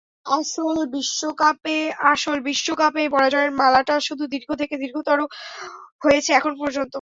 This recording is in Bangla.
আসল বিশ্বকাপে পরাজয়ের মালাটা শুধু দীর্ঘ থেকে দীর্ঘতরই হয়েছে এখন পর্যন্ত।